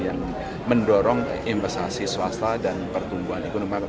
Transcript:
yang mendorong investasi swasta dan pertumbuhan ekonomi